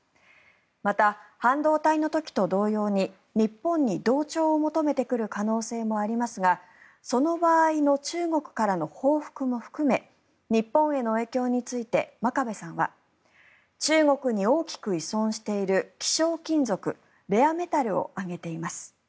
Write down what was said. また、半導体の時と同様に日本に同調を求めてくる可能性もありますがその場合の中国からの報復も含め日本への影響について真壁さんは中国に大きく依存している希少金属、レアメタルを挙げています。